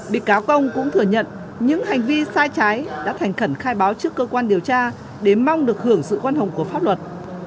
bị cáo công cũng thừa nhận những hành vi sai trái đã thành khẩn khai báo trước cơ quan điều tra để mong được hưởng sự khoan hồng của pháp luật